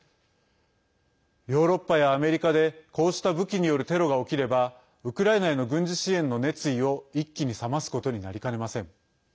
ヨーロッパやアメリカでこうした武器によるテロが起きればウクライナへの軍事支援の熱意を一気に冷ますことになりかねません。